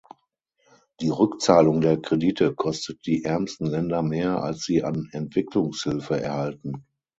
Die Rückzahlung der Kredite kostet die ärmsten Länder mehr als sie an Entwicklungshilfe erhalten.